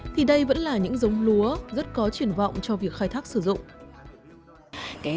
thì đây vẫn là những giống lúa rất có truyền vọng cho việc khai thác sử dụng